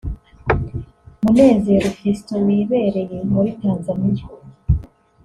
Munezero Fiston wibereye muri Tanzania